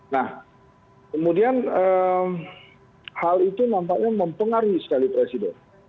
nah kemudian hal itu nampaknya mempengaruhi sekali presiden